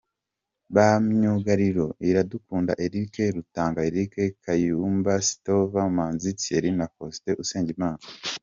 Ba myugariro: Iradukunda Eric, Rutanga Eric, Kayumba Soter, Manzi Thierry na Faustin Usengimana.